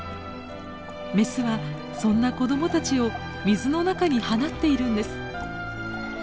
メスはそんな子どもたちを水の中に放っているんです。